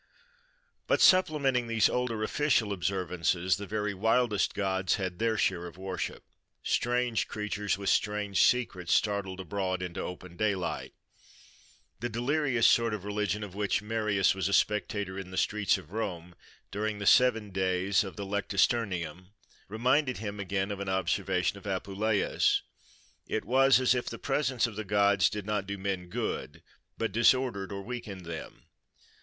But supplementing these older official observances, the very wildest gods had their share of worship,—strange creatures with strange secrets startled abroad into open daylight. The delirious sort of religion of which Marius was a spectator in the streets of Rome, during the seven days of the Lectisternium, reminded him now and again of an observation of Apuleius: it was "as if the presence of the gods did not do men good, but disordered or weakened them."